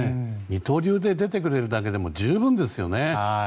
二刀流で出てくれるだけでも十分ですよね。